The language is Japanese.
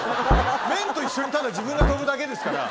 麺と一緒にただ自分が跳ぶだけですから。